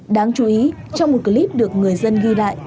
đáng chú ý trong một clip được người dân ghi lại